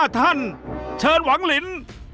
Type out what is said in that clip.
ท่านเชิญหวังลิน